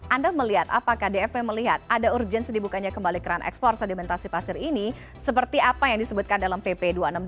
anda melihat apakah dfu melihat ada urgen sedibukanya kembali keran ekspor sedimentasi pasir ini seperti apa yang disebutkan dalam pp dua puluh enam dua ribu tiga